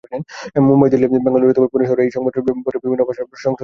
মুম্বই, দিল্লি, বেঙ্গালুরু ও পুনে শহরে এই সংবাদপত্রের বিভিন্ন ভাষার সংস্করণ প্রকাশিত হত।